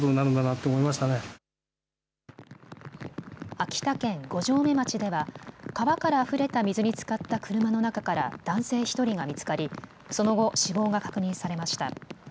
秋田県五城目町では川からあふれた水につかった車の中から男性１人が見つかりその後、死亡が確認されました。